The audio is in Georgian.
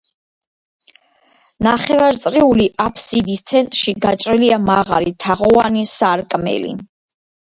ნახევარწრიული აბსიდის ცენტრში გაჭრილია მაღალი, თაღოვანი სარკმელი.